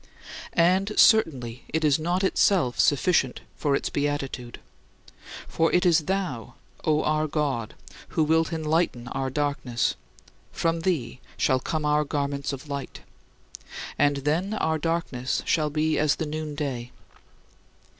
And certainly it is not itself sufficient for its beatitude. For it is thou, O our God, who wilt enlighten our darkness; from thee shall come our garments of light; and then our darkness shall be as the noonday.